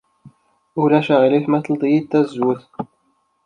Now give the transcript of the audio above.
Ulac aɣilif ma tledyeḍ tazewwut?